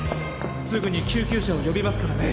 すぐに救急車を呼びますからね。